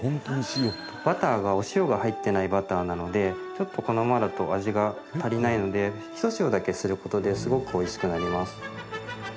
バターがお塩が入っていないバターなのでちょっと、このままだと味が足りないので一塩だけすることですごくおいしくなります。